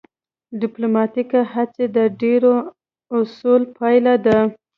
ډیپلوماتیکې هڅې د ډیرو اصولو پایله ده